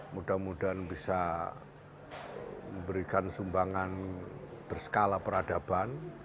mudah mudahan bisa memberikan sumbangan berskala peradaban